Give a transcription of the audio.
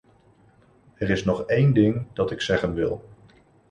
Er is nog één ding dat ik zeggen wil.